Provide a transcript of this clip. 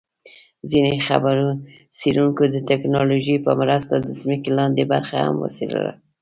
ځیني څېړونکو د ټیکنالوجۍ په مرسته د ځمکي لاندي برخه هم وڅېړله